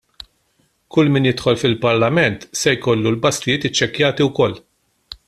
Kull min jidħol fil-Parlament se jkollu l-basktijiet iċċekkjati wkoll.